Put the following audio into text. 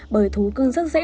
bởi thú cưng rất dễ